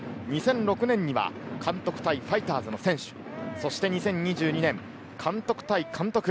２００６年には監督対ファイターズの選手、そして２０２２年、監督対監督。